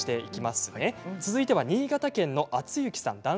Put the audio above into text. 続いては新潟県のあつゆきさん。